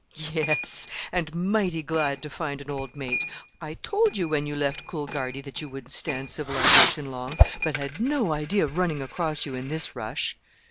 "Yes, and mighty glad to find an old mate. I told you, when you left Coolgardie, that you wouldn't stand civilization long, but had no idea of running across you in this rush."